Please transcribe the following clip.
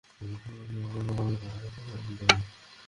আমার প্রতিপালক অবশ্যই ক্ষমাশীল, পরম দয়ালু।